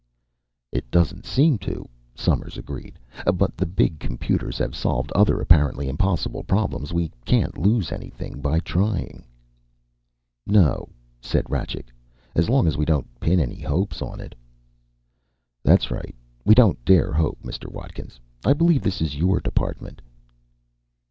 "It doesn't seem to," Somers agreed. "But the big computers have solved other apparently impossible problems. We can't lose anything by trying." "No," said Rajcik, "as long as we don't pin any hopes on it." "That's right. We don't dare hope. Mr. Watkins, I believe this is your department."